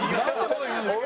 事言うんですか？